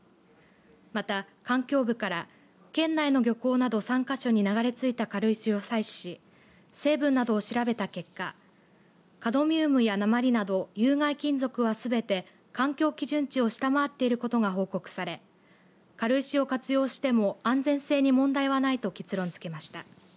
また、環境部から県内の漁港など３か所に流れついた軽石を採取し成分などを調べた結果カドミウムや鉛など有害金属はすべて環境基準値を下回っていることが報告され軽石を活用しても安全性に問題はないと結論づけました。